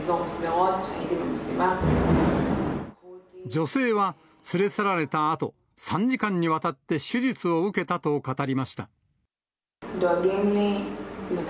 女性は、連れ去られたあと、３時間にわたって手術を受けたと語りました。